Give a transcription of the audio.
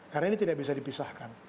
karena ini tidak bisa dipisahkan